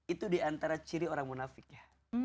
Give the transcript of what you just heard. itu diantara ciri orang munafik ya